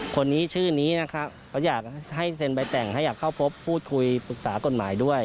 คนนี้ชื่อนี้นะครับเขาอยากให้เซ็นใบแต่งให้อยากเข้าพบพูดคุยปรึกษากฎหมายด้วย